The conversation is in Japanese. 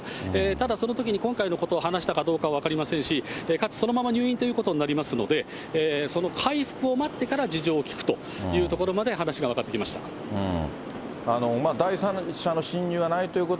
ただそのときに今回のことを話したか分かりませんし、かつ、そのまま入院ということになりますので、その回復を待ってから事情を聴くというところまで話が分かってき第三者の侵入はないというこ